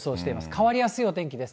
変わりやすいお天気です。